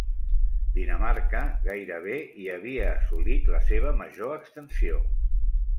Dinamarca gairebé hi havia assolit la seva major extensió.